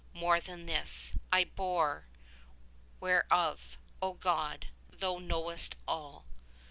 More than this I bore, whereof, O God, Thou knowest all.